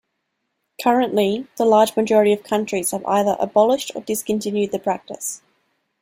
Currently, the large majority of countries have either abolished or discontinued the practice.